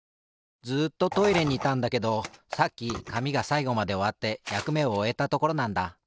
ずっとトイレにいたんだけどさっきかみがさいごまでおわってやくめをおえたところなんだ。